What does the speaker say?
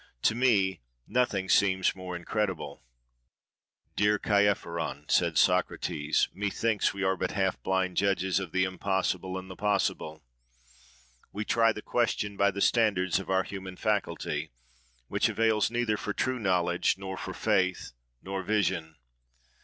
To me nothing seems more incredible." "Dear Chaerephon," said Socrates, "methinks we are but half blind judges of the impossible and the possible. We try the question by the standard of our human faculty, which avails neither for true knowledge, nor for faith, nor vision.